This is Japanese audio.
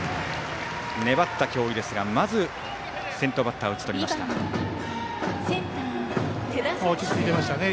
粘った京井ですがまず先頭バッターを落ち着いていましたね。